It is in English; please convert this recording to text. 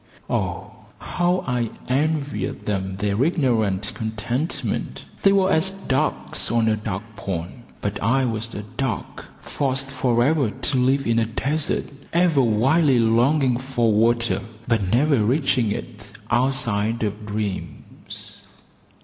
Oh, how I envied them their ignorant contentment! They were as ducks on a duck pond; but I was as a duck forced for ever to live in a desert, ever wildly longing for water, but never reaching it outside of dreams.